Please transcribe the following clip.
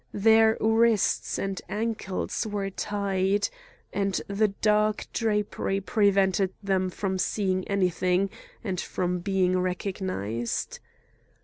Their wrists and ankles were tied, and the dark drapery prevented them from seeing anything and from being recognised.